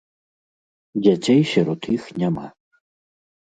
Дзяцей сярод іх няма.